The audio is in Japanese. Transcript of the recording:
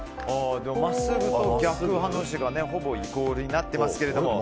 真っすぐと逆ハの字がほぼイコールになってますが。